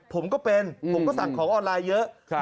ผมก็เป็นผมก็สั่งของออนไลน์เยอะ